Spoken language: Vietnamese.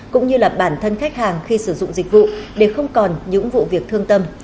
cũng như là bản thân khách hàng khi sử dụng dịch vụ để không còn những vụ việc thương tâm